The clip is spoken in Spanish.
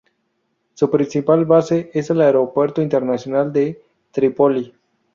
Su principal base es el Aeropuerto Internacional de Trípoli.